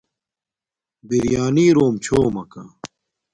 بِریݳنݵ رݸم چھݸمَکݳ.